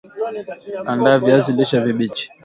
Andaa viazi lishe vibichi